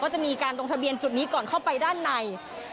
จะมีการลงทะเบียนจุดนี้ก่อนเข้าไปด้านใน